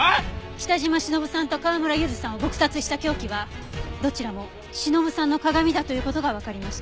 北島しのぶさんと川村ゆずさんを撲殺した凶器はどちらもしのぶさんの鏡だという事がわかりました。